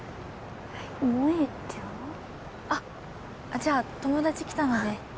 あっじゃあ友達来たので。